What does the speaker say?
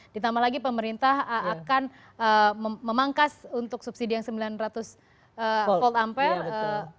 ditambah lagi pemerintah akan memangkas untuk subsidi yang sembilan ratus volt ampere